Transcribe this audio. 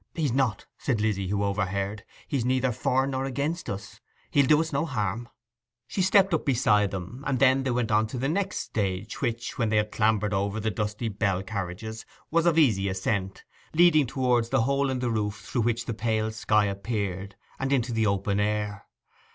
'He's not,' said Lizzy, who overheard. 'He's neither for nor against us. He'll do us no harm.' She stepped up beside them, and then they went on to the next stage, which, when they had clambered over the dusty bell carriages, was of easy ascent, leading towards the hole through which the pale sky appeared, and into the open air.